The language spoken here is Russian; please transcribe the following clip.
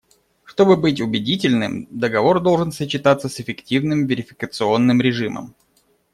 Чтобы быть убедительным, договор должен сочетаться с эффективным верификационным режимом.